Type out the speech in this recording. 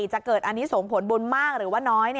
จะเกิดอันนี้ส่งผลบุญมากหรือว่าน้อย